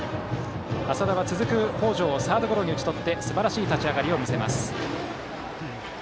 淺田は続く北條をサードゴロに打ちとってすばらしい立ち上がりを見せます。